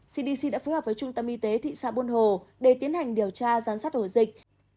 cdc đã phối hợp với trung tâm y tế thị xã buôn hồ để tiến hành điều tra giám sát ổ dịch